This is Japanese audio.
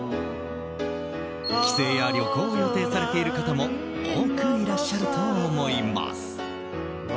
帰省や旅行を予定されている方も多くいらっしゃると思います。